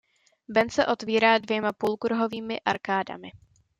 Ven se otvírá dvěma půlkruhovými arkádami.